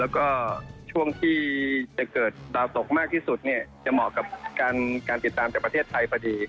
แล้วก็ช่วงที่จะเกิดดาวตกมากที่สุดเนี่ยจะเหมาะกับการติดตามจากประเทศไทยพอดี